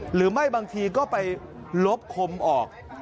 หรือไม่บางทีก็ไปลบคมออก